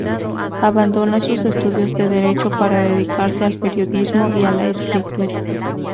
Abandona sus estudios de Derecho para dedicarse al periodismo y a la escritura.